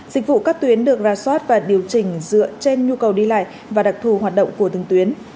dịch vụ các tuyến được ra soát và điều chỉnh dựa trên nhu cầu đi lại và đặc thù hoạt động của từng tuyến